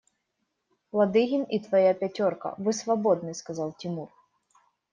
Ладыгин и твоя пятерка, вы свободны, – сказал Тимур.